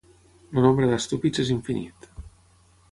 El nombre d'estúpids és infinit.